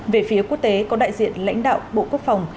về phía quốc tế có đại diện lãnh đạo bộ quốc phòng